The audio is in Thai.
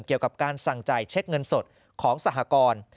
เกี่ยวกับการสั่งจ่ายเช็คเงินสดของสหกร